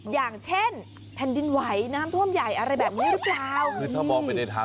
อย่างเช่นแผ่นดินไหวน้ำท่วมใหญ่อะไรแบบนี้หรือเปล่า